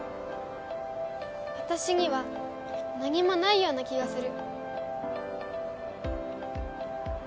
私には何もないような気がする。